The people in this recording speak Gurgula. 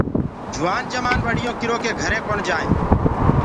جوآن جمآن ٻڙيونٚ ڪِرو ڪي گھري ڪونآ جآئينٚ۔